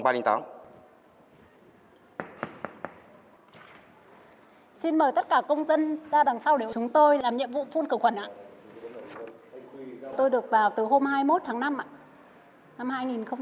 xin mời tất cả công dân ra đằng sau để chúng tôi làm nhiệm vụ phun khử khuẩn ạ